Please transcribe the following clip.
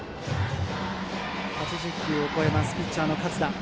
８０球を超えるピッチャーの勝田。